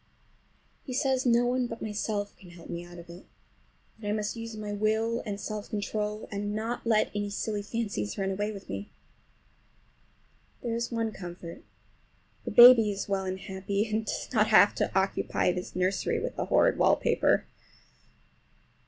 He says no one but myself can help me out of it, that I must use my will and self control and not let any silly fancies run away with me. There's one comfort, the baby is well and happy, and does not have to occupy this nursery with the horrid wallpaper.